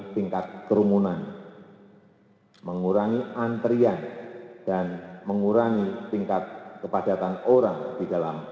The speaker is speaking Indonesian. tingkat kerumunan mengurangi antrian dan mengurangi tingkat kepadatan orang di dalam